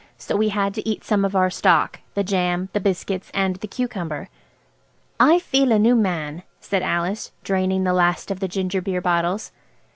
So we had to eat some of our stock–the jam, the biscuits, and the cucumber. "I feel a new man," said Alice, draining the last of the ginger beer bottles.